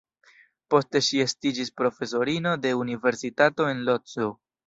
Poste ŝi estiĝis profesorino de Universitato en Lodzo.